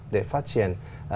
để phát triển